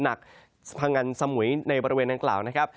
หนักพังอันสมุยในบริเวณดังกล่าวนะครับ